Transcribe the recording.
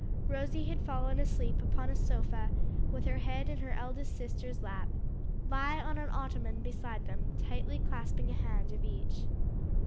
Rosie had fallen asleep upon a sofa with her head in her eldest sister's lap, Vi on an ottoman beside them, tightly clasping a hand of each.